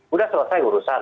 sudah selesai urusan